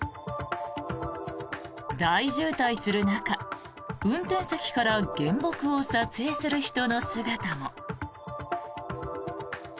大渋滞する中、運転席から原木を撮影する人の姿も。